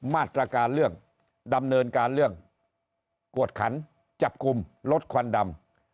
มาตรการเรื่องดำเนินการเรื่องกวดขันจับกลุ่มลดควันดำ